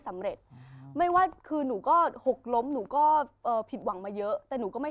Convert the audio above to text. สำเร็จไม่ว่าคือหนูก็หกล้มหนูก็เอ่อผิดหวังมาเยอะแต่หนูก็ไม่